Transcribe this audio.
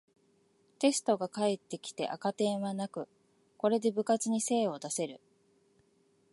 テストが返ってきて赤点はなく、これで部活に精を出せる